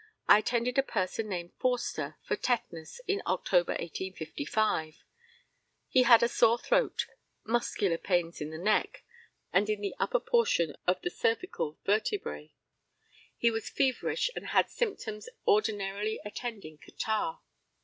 I attended a person named Forster for tetanus in October, 1855. He had sore throat, muscular pains in the neck, and in the upper portion of the cervical vertebræ. He was feverish, and had symptoms ordinarily attending catarrh.